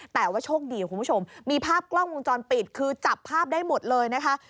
แต่ว่าโชคดีคุณผู้ชมมีภาพกล้องวงจรปิดคือจับภาพได้หมดเลยนะคะ